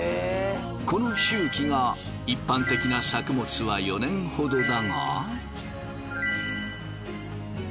この周期が一般的な作物は４年ほどだが。